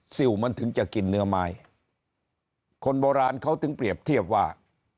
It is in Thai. ซิลมันถึงจะกินเนื้อไม้คนโบราณเขาถึงเปรียบเทียบว่า